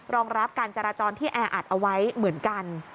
รองรับการจราจรที่แออัดเอาไว้เหมือนกัน